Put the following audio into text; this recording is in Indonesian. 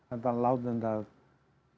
antara laut dan dalatan